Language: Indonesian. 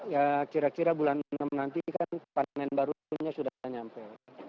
ya kira kira bulan enam nanti kan panen barunya sudah nyampe